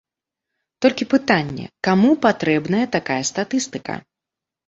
Толькі пытанне, каму патрэбная такая статыстыка?